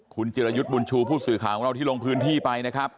คุณจิรยุทธ์บุญชูผู้สื่อข่าวของเราที่ลงพื้นที่ไปนะครับ